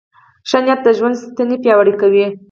ښه نیت د ژوند ستنې پیاوړې کوي.